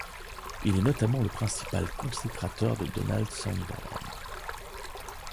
Il est notamment le principal consécrateur de Donald Sanborn.